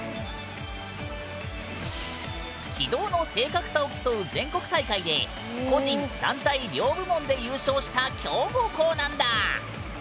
軌道の正確さを競う全国大会で個人・団体両部門で優勝した強豪校なんだ！